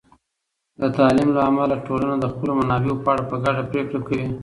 د تعلیم له امله، ټولنه د خپلو منابعو په اړه په ګډه پرېکړه کوي.